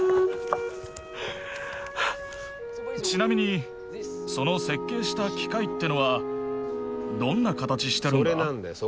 ちなみにその設計した機械ってのはどんな形してるんだ？